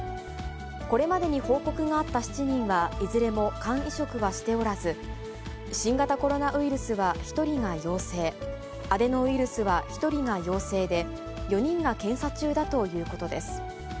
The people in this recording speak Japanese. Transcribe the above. これまでに報告があった７人は、いずれも肝移植はしておらず、新型コロナウイルスは１人が陽性、アデノウイルスは１人が陽性で、４人が検査中だということです。